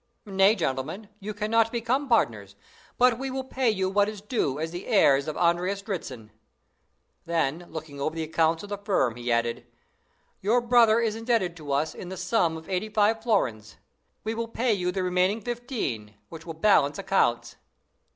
"Nay, gentlemen, you cannot become partners, but we will pay you what is due as the heirs of Andreas Dritzhn." Then, looking over the accounts of the firm, he added, "Your brother is indebted to us in the sum of eighty five florins; we will pay you the remaining fifteen, which will balance accounts."